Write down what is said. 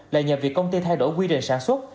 là nhờ việc công ty thay đổi quy định sản xuất